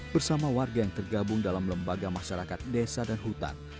bersama warga yang tergabung dalam lembaga masyarakat ini